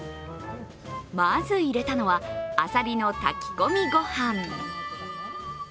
まず入れたのはアサリの炊き込みご飯。